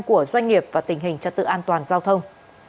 của doanh nghiệp và tình hình cho tự an toàn giao thông